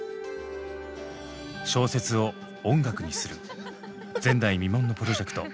「小説を音楽にする」前代未聞のプロジェクト。